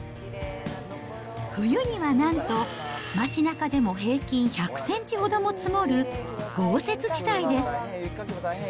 冬にはなんと、町なかでも平均１００センチほども積もる豪雪地帯です。